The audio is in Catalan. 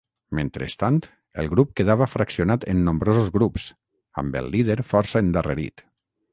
Mentrestant el grup quedava fraccionat en nombrosos grups, amb el líder força endarrerit.